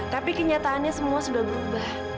tapi kenyataannya semua sudah berubah